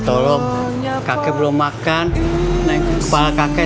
balik kali gak usah gue campur lo